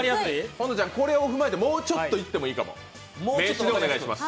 保乃ちゃん、これを踏まえてもうちょっといってもいいかも。